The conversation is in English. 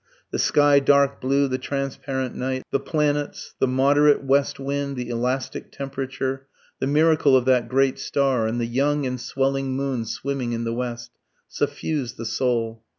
The sky dark blue, the transparent night, the planets, the moderate west wind, the elastic temperature, the miracle of that great star, and the young and swelling moon swimming in the west, suffused the soul.